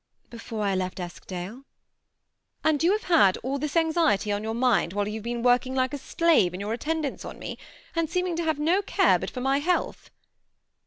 Before I left Eskdale." " And you have had all this anxiety on your mind while you have been working like a slave in your attendance on me, and seeming to have no care but for my health."